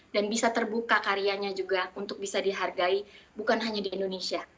dan bisa terbuka karyanya juga untuk bisa dihargai bukan hanya di indonesia